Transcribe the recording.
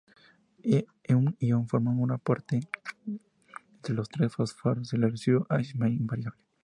Un ion forma un puente entre los tres fosfatos y el residuo Asn invariable.